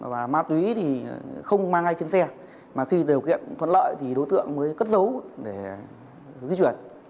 và ma túy thì không mang ngay trên xe mà khi điều kiện thuận lợi thì đối tượng mới cất dấu để di chuyển